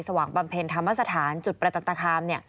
สวังปัมเภณธรรมสถานจุดประจันตาคาม